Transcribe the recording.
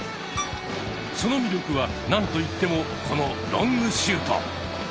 その魅力は何と言ってもこのロングシュート！